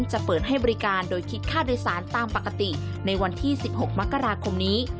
จะเปิดให้บริการโดยคิดค่าโดยสารตามปกติในวันที่๑๖มกราคมนี้